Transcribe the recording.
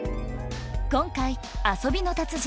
今回遊びの達人